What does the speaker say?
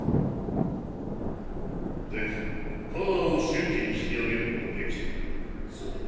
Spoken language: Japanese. デクパワーを瞬時に引き上げるのはできているそうだな？